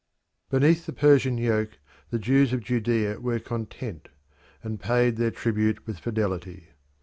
Beneath the Persian yoke the Jews of Judea were content, and paid their tribute with fidelity.